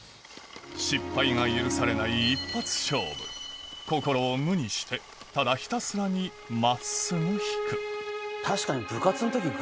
失敗が許されない心を無にしてただひたすらに真っすぐ引く確かに。